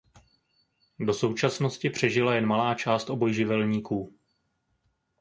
Do současnosti přežila jen malá část obojživelníků.